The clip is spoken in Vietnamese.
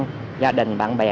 gia đình bạn bè